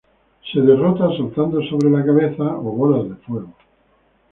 Se derrota saltando sobre la cabeza o bolas de fuego.